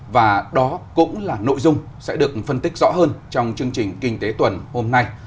và đó cũng là nội dung sẽ được phân tích rõ hơn trong chương trình kinh tế tuần hôm nay